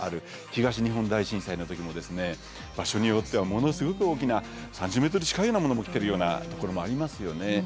東日本大震災の時も場所によってはものすごく大きな３０ｍ近いようなものも来てるようなところもありますよね。